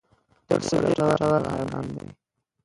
پسه ډېر ګټور حیوان دی.